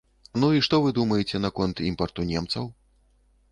Ну і што вы думаеце наконт імпарту немцаў?